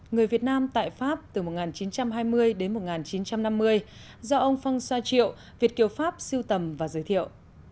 người việt nam tại pháp từ một nghìn chín trăm hai mươi đến một nghìn chín trăm năm mươi do ông phong sa triệu việt kiều pháp siêu tầm và giới thiệu